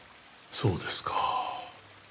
そうですか。